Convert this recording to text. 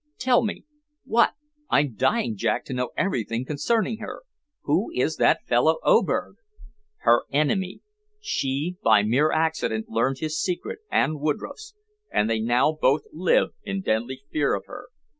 "Tell me. What? I'm dying, Jack, to know everything concerning her. Who is that fellow Oberg?" "Her enemy. She, by mere accident, learned his secret and Woodroffe's, and they now both live in deadly fear of her."